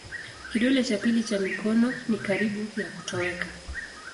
Kidole cha pili cha mikono ni karibu ya kutoweka.